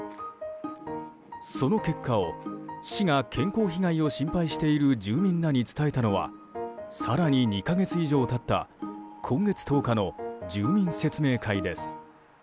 その結果を市が健康被害を心配している住民らに伝えたのは更に２か月以上経った今月１０日の住民説明会です。